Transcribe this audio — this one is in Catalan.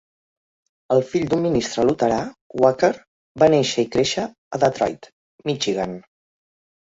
El fill d'un ministre luterà, Wacker, va néixer i créixer a Detroit, Michigan.